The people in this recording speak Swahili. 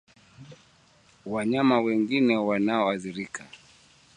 Wanyama wengine wanaoathirika